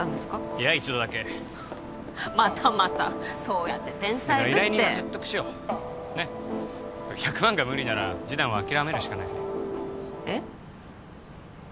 いや一度だけまたまたそうやって天才ぶって依頼人を説得しようねっ１００万が無理なら示談は諦めるしかないえっ？